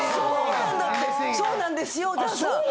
あそうなんですね。